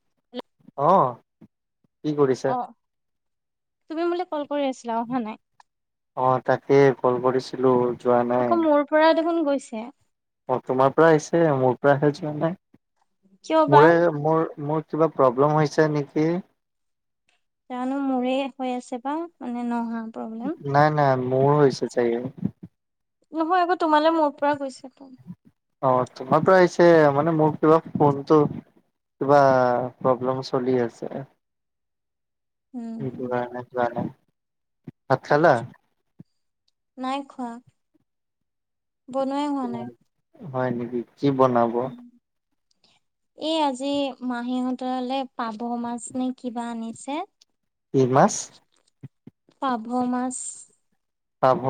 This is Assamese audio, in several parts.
[unintelligible] অ কি কৰিছে? অ তুমি মোৰলে কল কৰি আছিলা অহা নাই। অ', তাকে কল কৰিছিলো। যোৱা নাই। আকৌ মোৰ পৰা দেখোন গৈছে। অ', তোমাৰ পৰা আহিছে মোৰ পৰাহে যোৱা নাই, কিয় বা মোৰে মোৰ মোৰ কিবা প্ৰব্লেম হৈছে নেকি? জানো মোৰে হৈ আছে বা মানে নহয়। নাই, নাই মোৰ হৈছিল চাগে। নহয় আকৌ তোমালে মোৰ পৰা গৈছে ত'। অ', তোমাৰ পৰা আহিছে মানে মোৰ কিবা ফোনটো কিবা প্ৰব্লেম চলি আছে। [inaudible] সেইটো উম কাৰণে যোৱা নাই। ভাত খালা? নাই খোৱা, বনোৱাই হোৱা নাই। হয় নেকি, কি বনাব? [unintelligible] এই আজি মাহীহঁতলে পাভ মাছ নে কিবা আনিছে। কি মাছ? পাভ মাছ। পাভ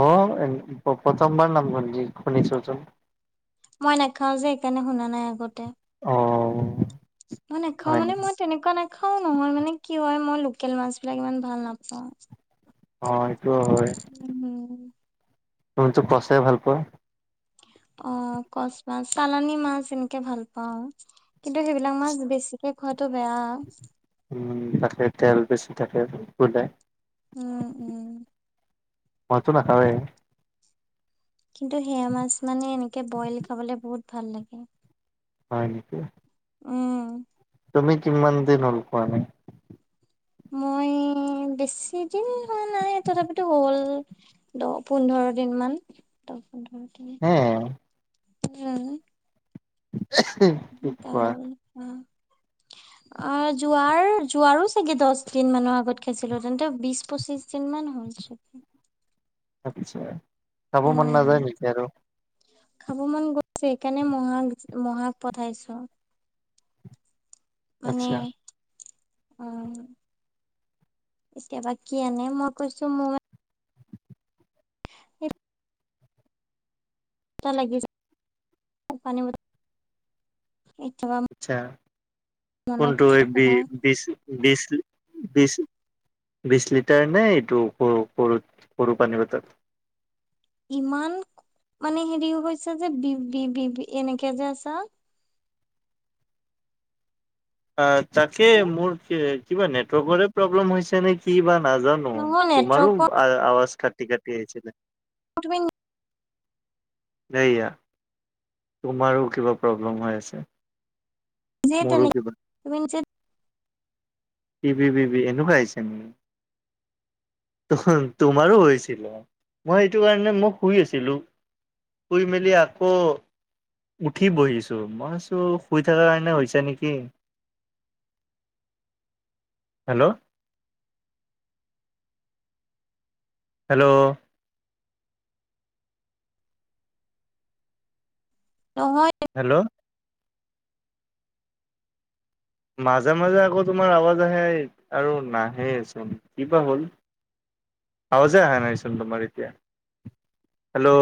প্ৰথমবাৰ নাম শুনিছোঁ। মই নাখাও যে সেইকাৰণে শুনা নাই আগতে। অ। মই নাখাও হয় মানে নেকি? মই তেনেকুৱা নাখাও নহয় মানে কি হয় মই লোকেল মাছ বিলাক ইমান ভাল নাপাওঁ। অ', সিটোও হয়। উম তুমিতো কছে ভাল পোৱা। [unintelligible] অ', কচ মাছ চালানি মাছ এনেকে ভাল পাও, কিন্তু সেইবিলাক মাছ বেছিকে খ উম, তাকে তেল বেছি থাকে, বোলে। উম, উম। মইতো নাখাওৱে। কিন্তু সেয়া মাছ মানে এনেকে বইল খাবলৈ বহুত ভাল লাগে। হয় নেকি? উম। তুমি কিমান দিন হ'ল খোৱা নাই? মই এ বেছি দিন হোৱা নাই তথাপিতো হ'ল, দহ, পোন্ধৰ দিন মান ত উম? উম। কি কোৱা? হ'ল, অ', অ', যোৱাৰ, যোৱাৰো চাগে দহ দিন মানৰ আগত খাইছিলো তেন্তে বিশ পঁচিশ দিন মান হৈছে। [unintelligible] খাব মন নাযায় নিজৰো। খাব মন গৈছে সেইকাৰণে মহাক-মহাক পঠাইছো। আচ্ছা। অ', এতিয়া বা কি আনে মই কৈছো মোৰ [unintelligible] আচ্ছা, মনত কোনটো এই থকা বি কথা বিশ বিশ বিশ বিশ লিটাৰ নে এইটো সৰু-সৰু-সৰু পানীৰ বটল? ইমান মানে হেৰিও হৈছে যে বি-বি-বি-বি এনেকে যে আছা? অ তাকে মোৰ কিবা নেটৱৰ্কৰে প্ৰব্লেম হৈছে নে কি বা। নাজানো নহয় তোমাৰো নেটৱৰ্কৰ আৱাজ কাটি কাটি আহিছিল। বিটিন। সেইয়া। তোমাৰো কিবা প্ৰব্লেম হৈ আছে মোৰো কিবা। বিনিঞ্চিত। বি বি এনেকুৱা আহিছে নেকি? তোমাৰো হৈছিলে মই এইটো কাৰণে মোক শুই আছিলো। শুই মেলি আকৌ। উঠি বহিছো মই আছো শুই থকা কাৰণে হৈছে নেকি? হেল্ল'। হেল্ল'। নহয়। হেল্ল' মাজে-মাজে আকৌ তোমাৰ আৱাজ আহে আৰু নাহে কিবা হ'ল। হয়। আৱাজে আহা নাইচোন তোমাৰ এতিয়া হেল্ল'।